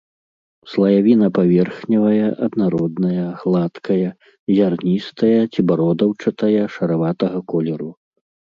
Слаявіна паверхневая, аднародная, гладкая, зярністая ці бародаўчатая шараватага колеру.